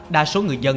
đa số người dân